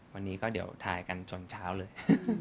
วันนี้ก็เดี๋ยวถ่ายกันจนเช้าเลย